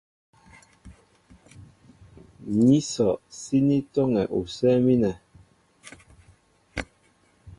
Ní sɔ síní tɔ́ŋɛ usɛ́ɛ́ mínɛ.